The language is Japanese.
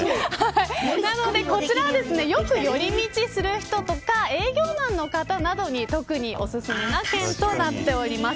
なのでこちらはよく寄り道する人とか営業マンの方などに特におすすめの券となっております。